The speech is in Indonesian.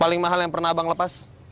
paling mahal yang pernah abang lepas